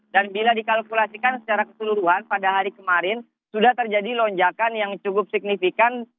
dan bila dikalkulasikan secara keseluruhan pada hari kemarin sudah terjadi lonjakan yang cukup signifikan